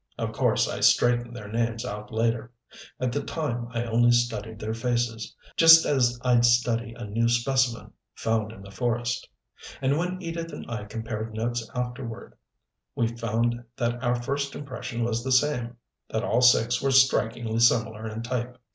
Of course I straightened their names out later. At the time I only studied their faces just as I'd study a new specimen, found in the forest. And when Edith and I compared notes afterward we found that our first impression was the same that all six were strikingly similar in type.